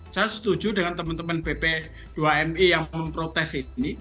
saya setuju dengan teman teman bp dua mi yang memprotes ini